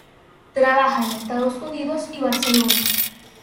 Trabaja en Estados Unidos y Barcelona.